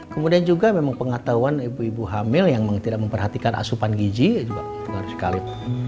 kemudian juga memang pengetahuan ibu ibu hamil yang tidak memperhatikan asupan gizi juga pengaruh sekali